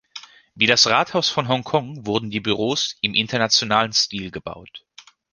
Wie das Rathaus von Hongkong wurden die Büros im internationalen Stil gebaut.